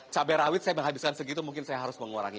cabai rawit saya menghabiskan segitu mungkin saya harus mengurangi